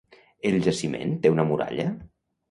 El jaciment té una muralla?